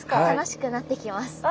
楽しくなってきます！